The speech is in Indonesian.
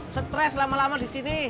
stres lama lama di sini